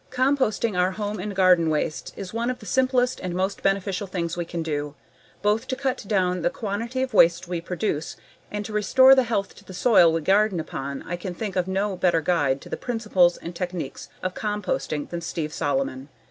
Composting our home and garden wastes is one of the simplest and most beneficial things we can do, both to cut down the quantity of wastes we produce, and to restore health to the soil we garden upon I can think of no better guide to the principles and techniques of composting than Steve Solomon.